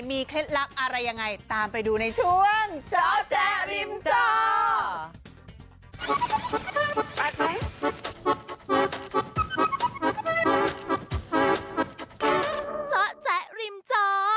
มีเคล็ดลับอะไรยังไงตามไปดูในช่วงเจาะแจ๊ริมจอ